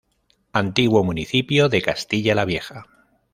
Antiguo municipio de Castilla la Vieja.